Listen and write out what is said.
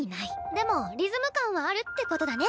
でもリズム感はあるってことだね。